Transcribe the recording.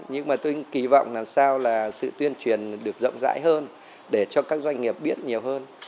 nhưng mà tôi kỳ vọng làm sao là sự tuyên truyền được rộng rãi hơn để cho các doanh nghiệp biết nhiều hơn